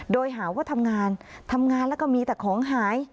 โดยหาว่าทำงานทำงานแล้วก็มีแต่ของหาย